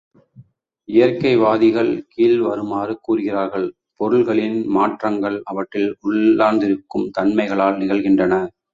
இயற்கை வாதிகள் கீழ் வருமாறு கூறுகிறார்கள் பொருள்களின் மாற்றங்கள் அவற்றில் உள்ளார்ந்திருக்கும் தன்மைகளால் நிகழுகின்றன.